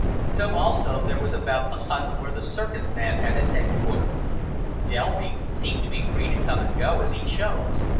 So also there was about the hut where the circus man had his headquarters. Delby seemed to be free to come and go as he choose.